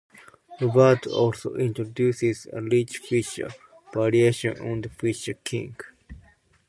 Robert also introduced a "Rich Fisher" variation on the Fisher King.